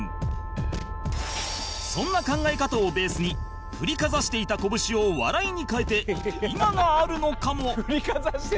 そんな考え方をベースに振りかざしていた拳を笑いに変えて今があるのかも